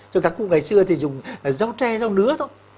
trong các cụ ngày xưa thì dùng dao tre dao nứa thôi